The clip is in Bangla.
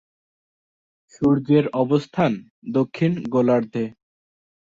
সূর্যের অবস্থান দক্ষিণ গোলার্ধে।